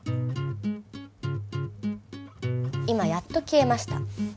今やっと消えました。